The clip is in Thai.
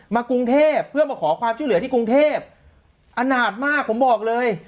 กรุงเทพเพื่อมาขอความช่วยเหลือที่กรุงเทพอนาจมากผมบอกเลย